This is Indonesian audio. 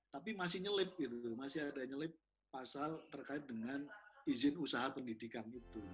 tapi masih nyelip gitu masih ada nyelip pasal terkait dengan izin usaha pendidikan itu